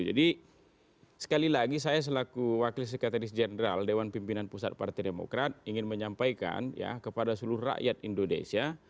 jadi sekali lagi saya selaku wakil sekretaris jenderal dewan pimpinan pusat partai demokrat ingin menyampaikan ya kepada seluruh rakyat indonesia